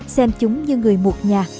xem chúng như người một nhà